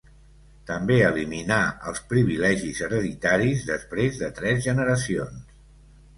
També eliminà els privilegis hereditaris després de tres generacions.